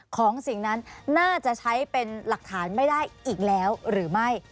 สิ่งนั้นน่าจะใช้เป็นหลักฐานไม่ได้อีกแล้วหรือไม่